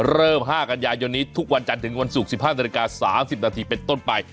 เริ่ม๕กันยานยนนี้ทุกวันจันทร์ถึงวันสุก๑๕นาทีนาทีการ๓๐นาทีเป็นต้นไป